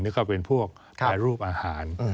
นี่ก็เป็นพวกแปรรูปอาหาร